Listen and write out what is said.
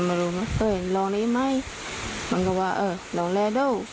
ไม่รู้เลยเราได้ไหมเรื่องว่าโน้นร้านเยอะ